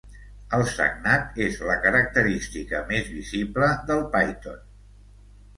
El sagnat és la característica més visible del Python.